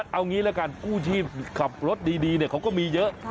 เอาอย่างนี้เลยกู้ชี้นขับรถดีเลยก็มีเยอะ